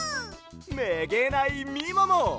めげないみもも！